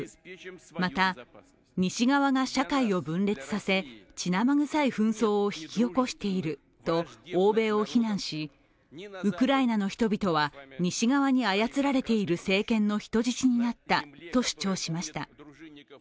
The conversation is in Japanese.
また西側が社会を分裂させ血なまぐさい紛争を引き起こしていると欧米を非難し、ウクライナの人々は西側に操られている政権の人質になったと主張しました。